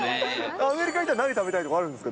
アメリカ行ったら何食べたいとかあるんですか？